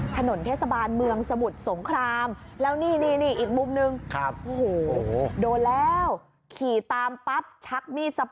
ถนนเทศบาลเมืองสมุทธ์สงครามแล้วนี่นี่อีกมุมนึง